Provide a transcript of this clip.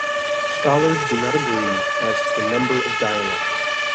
Scholars do not agree as to the number of dialects.